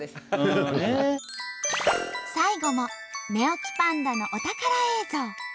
最後も寝起きパンダのお宝映像。